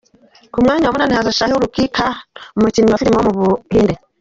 Ku mwanya wa munani haza Shah Rukh Khan, umukinnyi wa filime wo mu Buhinde.